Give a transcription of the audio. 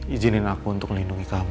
izinin aku untuk melindungi kamu